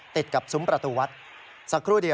ติดกับซุมประตูวัด